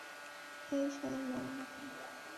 এই সালা মরে না কেন?